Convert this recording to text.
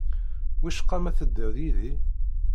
Wicqa ma teddiḍ yid-i?